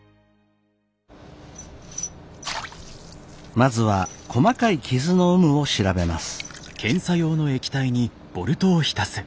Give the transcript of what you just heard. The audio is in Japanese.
まずは細かい傷の有無を調べます。